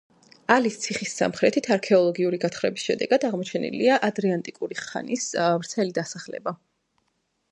ალის ციხის სამხრეთით არქეოლოგიური გათხრების შედეგად აღმოჩენილია ადრეანტიკური ხანის ვრცელი დასახლება.